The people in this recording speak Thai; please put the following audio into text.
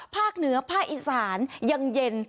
ภาคเนื้อภาคอิสรรยังเย็น